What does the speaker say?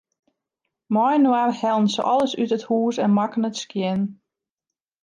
Mei-inoar hellen se alles út it hûs en makken it skjin.